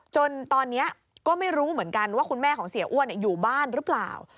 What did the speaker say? จนตอนนี้ก็ไม่รู้เหมือนกันว่าคุณแม่ของเสียอ้วนอยู่บ้านหรือเปล่า